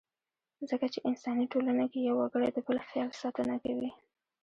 ځکه چې انساني ټولنه کې يو وګړی د بل خیال ساتنه کوي.